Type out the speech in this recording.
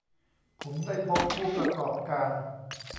ผมได้พบผู้ประกอบการ